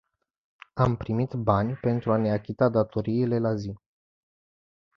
Am primit bani pentru a ne achita datoriile la zi.